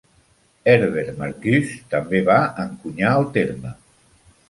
Herbert Marcuse també va encunyar el terme.